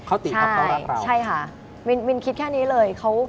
เขาติเพื่อเขารักเราใช่ค่ะมินคิดแค่นี้เลย